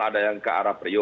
ada yang ke arah priuk